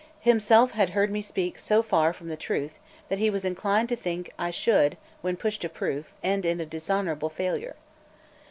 Himself had heard me speak so far from the truth, that he was inclined to think I should, when pushed to proof, end in a dishonourable failure.